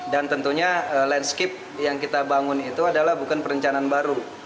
dan tentunya landscape yang kita bangun itu adalah bukan perencanaan baru